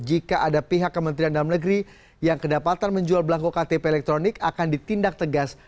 jika ada pihak kementerian dalam negeri yang kedapatan menjual belangko ktp elektronik akan ditindak tegas